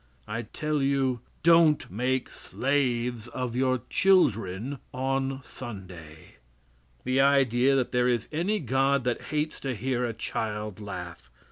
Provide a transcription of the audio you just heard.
I tell you, don't make slaves of your children on Sunday. The idea that there is any God that hates to hear a child laugh!